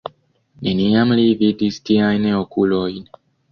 Neniam li vidis tiajn okulojn.